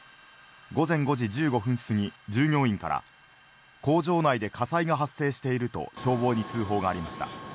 午前５時１５分過ぎ、従業員から工場内で火災が発生していると消防に通報がありました。